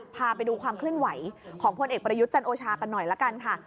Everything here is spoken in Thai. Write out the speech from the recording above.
พาไปดูความเคลื่อนไหวของพลเอกประยุทธ์จันโอชากันหน่อยละกันค่ะ